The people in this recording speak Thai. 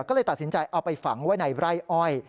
ก็เลยตัดสินใจเอาไปฝังไว้ในไร่อ้อย